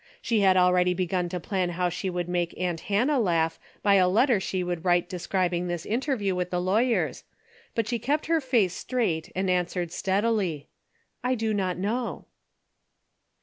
She had already begun to plan how she would make aunt Hannah laugh by a letter she would write de scribing this interview with the lawyers, but she kept her face straight and answered steadily. " I do not know."